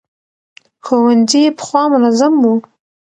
ښوونځي پخوا منظم وو.